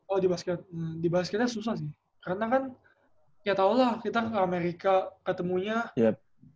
oh di basket di basketnya susah sih karena kan ya tau lah kita ke amerika ketemunya